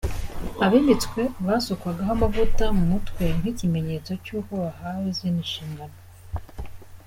Abimitswe basukwagaho amavuta mu mutwe nk’ikimenyetso cy’uko bahawe izindi nshingano.